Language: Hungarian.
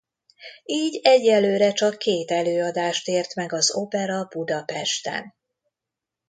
Így egyelőre csak két előadást ért meg az opera Budapesten.